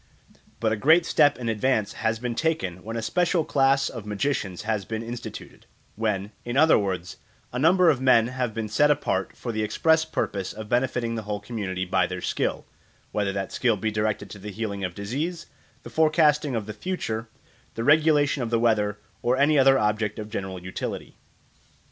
But a great step in advance has been taken when a special class of magicians has been instituted; when, in other words, a number of men have been set apart for the express purpose of benefiting the whole community by their skill, whether that skill be directed to the healing of diseases, the forecasting of the future, the regulation of the weather, or any other object of general utility.